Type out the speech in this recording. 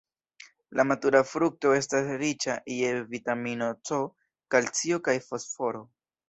La matura frukto estas riĉa je vitamino C, kalcio kaj fosforo.